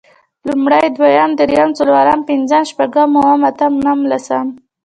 لومړی، دويم، درېيم، څلورم، پنځم، شپږم، اووم، اتم، نهم، لسم